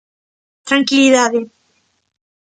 ¡Tranquilidade!